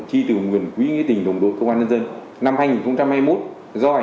chi từ nguyện quỹ nghị tình đồng đội công an nhân dân